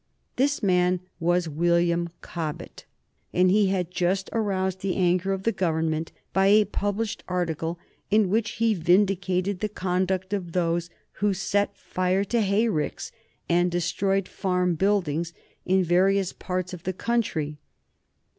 This man was William Cobbett, and he had just aroused the anger of the Government by a published article in which he vindicated the conduct of those who had set fire to hayricks and destroyed farm buildings in various parts of the country.